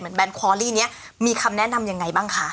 เหมือนแบนควอลี่เนี่ยมีคำแนะนำยังไงบ้างคะ